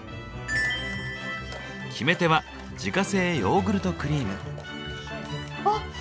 決め手は自家製ヨーグルトクリーム。